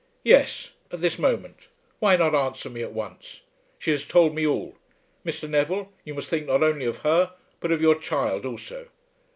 "Yes; at this moment. Why not answer me at once? She has told me all. Mr. Neville, you must think not only of her, but of your child also."